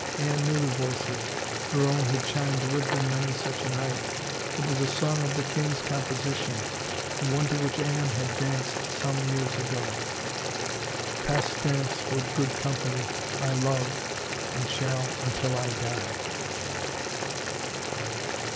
Anne knew the voices — her own had chimed with them many such a night. It was a song of the king's composi tion, the one to which Anne had danced some ten years ago. Pastance with good company, I love, and shall until I die.